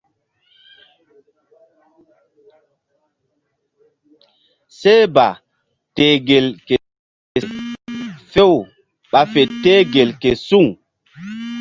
Seh ba teh gel ke se she few ɓa fe teh gel ke suŋ.